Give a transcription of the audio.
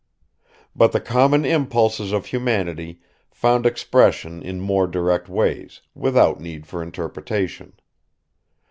But the common impulses of humanity found expression in more direct ways, without need for interpretation.